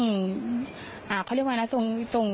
เขาเรียกว่าอะไรนะส่ง